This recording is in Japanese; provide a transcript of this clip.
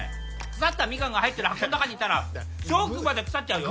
腐ったミカンが入ってる箱の中にいたら翔君まで腐っちゃうよ